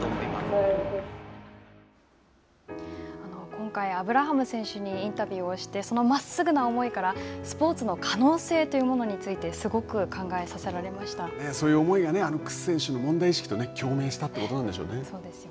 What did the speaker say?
今回、アブラハム選手にインタビューをしてそのまっすぐな思いからスポーツの可能性というものにそういう思いが楠選手の問題意識と共鳴したってことなんでしょうね。